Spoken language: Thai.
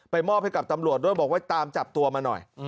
มอบให้กับตำรวจด้วยบอกไว้ตามจับตัวมาหน่อย